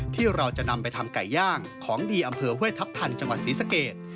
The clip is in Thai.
ที่เราจะนำไปทำไก่ย่างของดีอำเภอห้วยทัพทันจังหวัดศรีสเกต